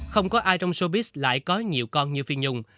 không có ai trong sobis lại có nhiều con như phi nhung